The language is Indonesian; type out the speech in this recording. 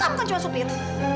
kamu kan cuma supir